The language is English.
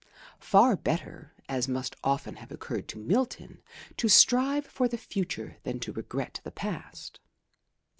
Far better, as must often have occurred to Milton, to strive for the future than to regret the past.